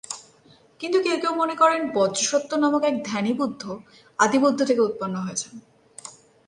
কিন্তু কেউ কেউ মনে করেন, বজ্রসত্ত্ব নামক এক ধ্যানীবুদ্ধ আদিবুদ্ধ থেকে উৎপন্ন হয়েছেন।